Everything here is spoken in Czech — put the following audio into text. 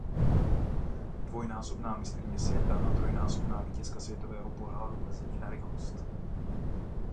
Dvojnásobná mistryně světa a trojnásobná vítězka světového poháru v lezení na rychlost.